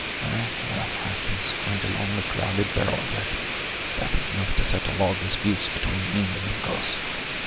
Well, well, I can squint along a clouded barrel yet, and that is enough to settle all disputes between me and the Mingoes.